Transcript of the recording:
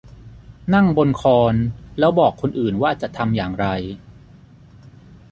นั่งบนคอนแล้วบอกคนอื่นว่าจะทำอย่างไร